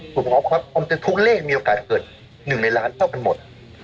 ผมบอกว่าทุกเลขมีโอกาสเกิด๑ในล้านเท่ากันหมด